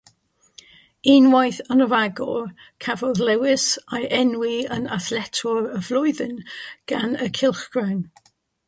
Unwaith yn rhagor, cafodd Lewis ei enwi yn Athletwr y Flwyddyn gan y cylchgrawn.